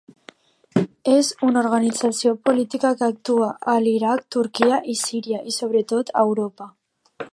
És una organització política que actua a l'Iraq, Turquia i Síria i sobretot a Europa.